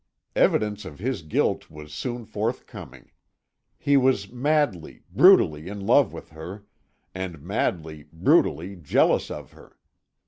Evidence of his guilt was soon forthcoming. He was madly, brutally in love with her, and madly, brutally jealous of her.